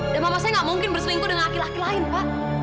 dan mama saya gak mungkin berselingkuh dengan laki laki lain pak